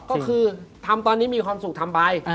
ก็คือทำตอนนี้มีความสุขทำไป